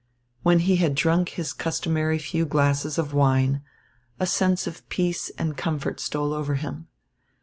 When he had drunk his customary few glasses of wine, a sense of peace and comfort stole over him.